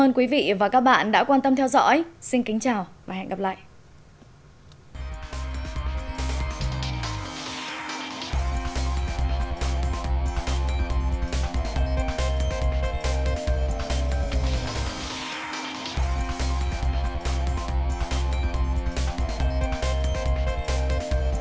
ơn quý vị và các bạn đã quan tâm theo dõi xin kính chào và hẹn gặp lại